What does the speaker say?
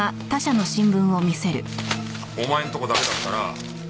お前のとこだけだったな？